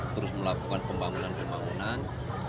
terus melakukan pembangunan pembangunan